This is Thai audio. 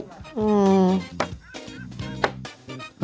อืม